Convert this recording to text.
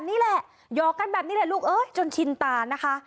ก็เลยชนิดกันก็เลยมีการเกี่ยวก้อยกันค่ะ